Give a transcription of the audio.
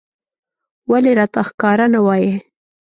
ولې راته ښکاره نه وايې